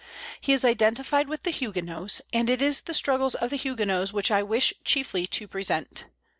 He is identified with the Huguenots, and it is the struggles of the Huguenots which I wish chiefly to present.